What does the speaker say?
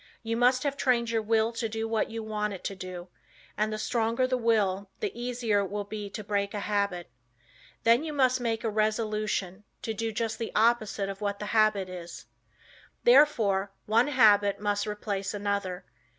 You must have trained your will to do what you want it to do, and the stronger the will the easier it will be to break a habit. Then you must make a resolution to do just the opposite of what the habit is. Therefore one habit must replace another.